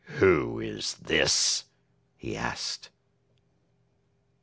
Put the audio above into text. "Who is this?" he asked.